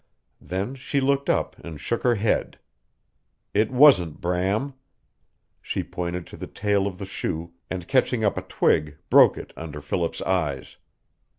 Then she looked up and shook her head. It wasn't Bram! She pointed to the tail of the shoe and catching up a twig broke it under Philip's eyes.